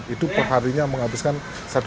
itu perharinya menghabiskan satu lima kg